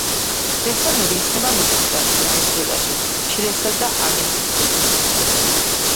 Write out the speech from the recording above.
რესტორნები იხსნება მექსიკაში, ვენესუელაში, ჩილესა და არგენტინაში.